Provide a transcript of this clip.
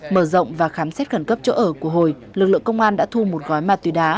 mở rộng và khám xét khẩn cấp chỗ ở của hồi lực lượng công an đã thu một gói ma túy đá